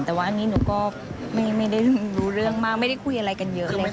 แต่ว่าอันนี้หนูก็ไม่ได้รู้เรื่องมากไม่ได้คุยอะไรกันเยอะเลยค่ะ